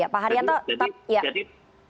pak haryanto jadi